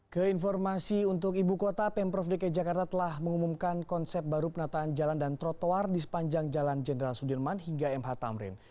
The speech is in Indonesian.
keinformasi untuk ibu kota pemprov dki jakarta telah mengumumkan konsep baru penataan jalan dan trotoar di sepanjang jalan jenderal sudirman hingga mh tamrin